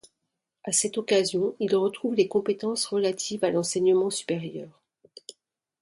À cette occasion, il retrouve les compétences relatives à l'enseignement supérieur.